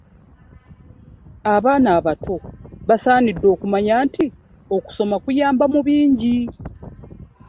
Abaana abato basaanidde okumanya nti okusoma kuyamba mu bingi.